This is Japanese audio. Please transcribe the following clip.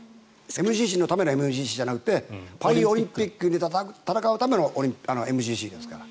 ＭＧＣのためのＭＧＣじゃなくてパリオリンピックで戦うためのＭＧＣですから。